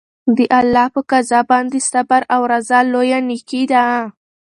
د الله په قضا باندې صبر او رضا لویه نېکي ده.